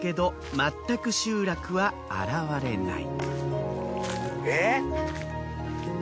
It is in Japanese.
まったく集落は現れない。